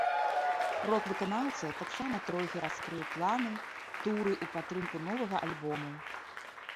Рок-выканаўца таксама трохі раскрыў планы туру ў падтрымку новага альбому.